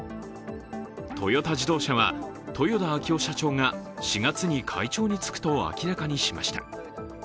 トヨタ自動車は、豊田章男社長が４月に会長に就くと明らかにしました。